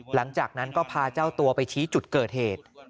หลังจากนั้นก็พาเจ้าตัวไปชี้จุดเกิดเหตุ